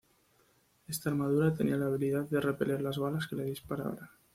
Esta armadura tenía la habilidad de repeler las balas que le dispararan.